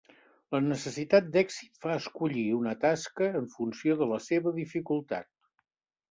La necessitat d'èxit fa escollir una tasca en funció de la seva dificultat.